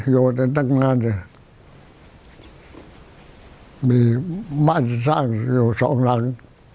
อยู่ในตั้งนานเลยมีบ้านสร้างอยู่สองหลัง